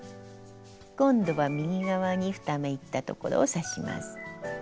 今度は右側に２目いったところを刺します。